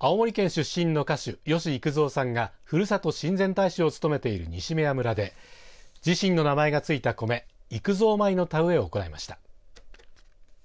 青森県出身の歌手吉幾三さんがふるさと親善大使を務めている西目屋村で自身の名前がついた米幾三米の田植えを行いました。